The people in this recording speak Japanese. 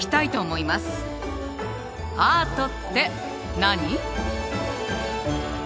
アートって何？